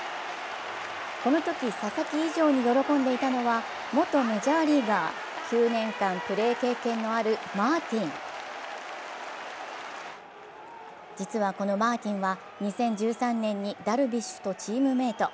このとき、佐々木以上に喜んでいたのは、元メジャーリーガー、９年間プレー経験のあるマーティン実は、このマーティンは２０１３年にダルビッシュとチームメート。